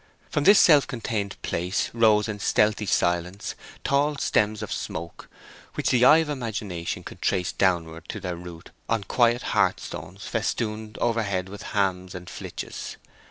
From this self contained place rose in stealthy silence tall stems of smoke, which the eye of imagination could trace downward to their root on quiet hearth stones festooned overhead with hams and flitches.